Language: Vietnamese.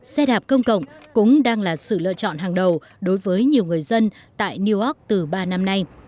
xe đạp công cộng cũng đang là sự lựa chọn hàng đầu đối với nhiều người dân tại newark từ ba năm nay